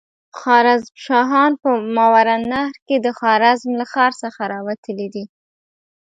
خوارزم شاهان په ماوراالنهر کې د خوارزم له ښار څخه را وتلي.